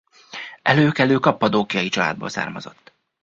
Előkelő kappadókiai családból származott.